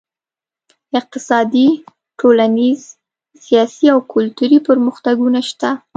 اقتصادي، ټولنیز، سیاسي او کلتوري پرمختګونه شته.